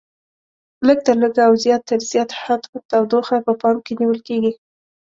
لږ تر لږه او زیات تر زیات حد تودوخه په پام کې نیول کېږي.